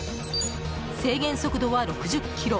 制限速度は６０キロ。